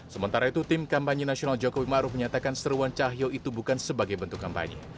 sementara itu tim kampanye nasional jokowi maruf menyatakan seruan cahyo itu bukan sebagai bentuk kampanye